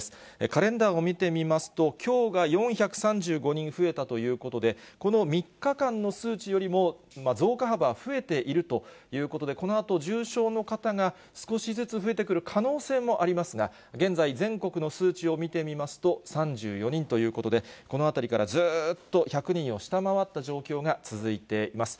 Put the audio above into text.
カレンダーを見てみますと、きょうが４３５人増えたということで、この３日間の数値よりも、増加幅は増えているということで、このあと重症の方が少しずつ増えてくる可能性もありますが、現在、全国の数値を見てみますと、３４人ということで、このあたりからずっと、１００人を下回った状況が続いています。